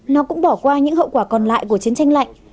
nó cũng bỏ qua những hậu quả còn lại của chiến tranh lạnh